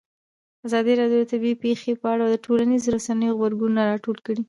ازادي راډیو د طبیعي پېښې په اړه د ټولنیزو رسنیو غبرګونونه راټول کړي.